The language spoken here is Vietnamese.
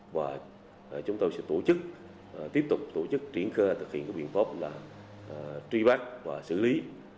và chúng tôi sẽ tiếp tục tổ chức triển khai thực hiện các biện pháp tri bác và xử lý